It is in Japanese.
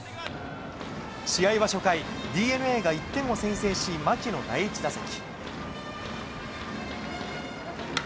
試合は初回、ＤｅＮＡが１点を先制し、牧の第１打席。